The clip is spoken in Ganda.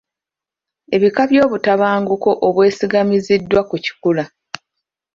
Ebika by'obutabanguko obwesigamiziddwa ku kikula.